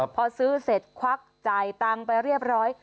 พอซื้อเสร็จควักจ่ายตังค์ไปเรียบร้อย